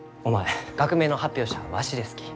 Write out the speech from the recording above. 学名の発表者はわしですき。